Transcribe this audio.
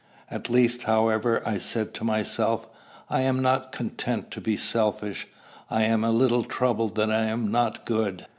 "At least, however," I said to myself, "I am not content to be selfish. I am a little troubled that I am not good."